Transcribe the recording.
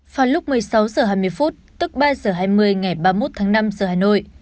vào lúc một mươi sáu h hai mươi phút tức ba h hai mươi ngày ba mươi một tháng năm giờ hà nội